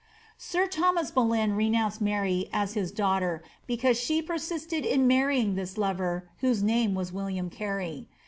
Sir Thomas Boleyn renounced Mary as his daughter, because she persisted in marrying this lover, whose name was William Carey.